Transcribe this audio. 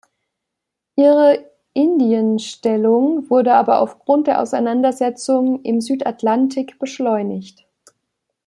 Ihre Indienststellung wurde aber aufgrund der Auseinandersetzungen im Südatlantik beschleunigt.